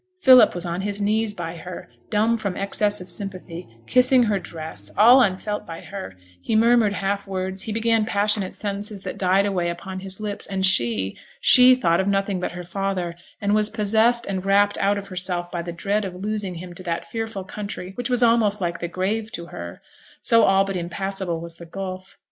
Philip was on his knees by her, dumb from excess of sympathy, kissing her dress, all unfelt by her; he murmured half words, he began passionate sentences that died away upon his lips; and she she thought of nothing but her father, and was possessed and rapt out of herself by the dread of losing him to that fearful country which was almost like the grave to her, so all but impassable was the gulf.